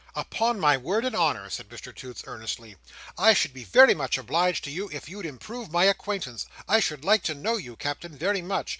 "Upon my word and honour," said Mr Toots, earnestly, "I should be very much obliged to you if you'd improve my acquaintance. I should like to know you, Captain, very much.